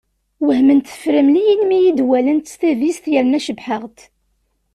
Wehment tefremliyin mi i yi-d-wallent s tadist yerna cebbḥeɣ-d.